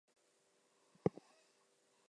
This was done on behalf of a whole village.